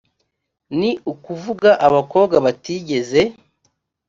ni ukuvuga abakobwa batigeze